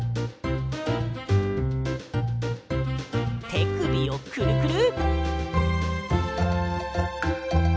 てくびをクルクル。